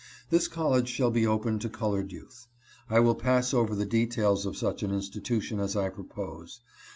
This college shall be open to colored youth. I will pass over the details of such an institution as I propose.